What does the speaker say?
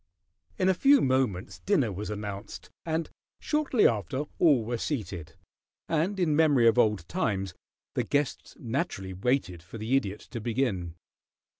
In a few moments dinner was announced, and shortly after all were seated, and in memory of old times the guests naturally waited for the Idiot to begin.